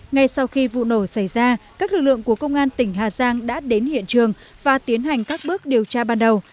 ngay sau khi vụ nổ xảy ra các lực lượng của công an tỉnh hà giang đã đến hiện trường và tiến hành các bước điều tra ban đầu